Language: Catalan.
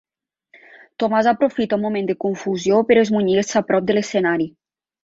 Tomàs aprofita un moment de confusió per esmunyir-se a prop de l'escenari.